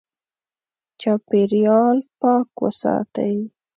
چاپېریال پاک وساتئ.